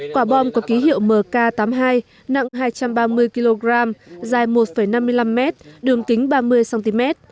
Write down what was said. quả bom có ký hiệu mk tám mươi hai nặng hai trăm ba mươi kg dài một năm mươi năm m đường kính ba mươi cm